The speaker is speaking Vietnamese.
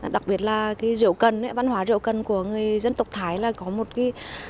đặc biệt là cái rượu cần văn hóa rượu cần của người dân tộc thái là có một cái